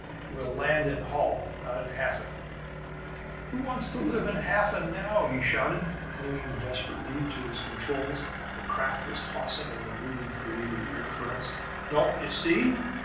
We'll land in Holl, not in Hafen!" "Who wants to live in Hafen now?" he shouted, clinging desperately to his controls. The craft was tossing in the newly created air currents. "Don't you see?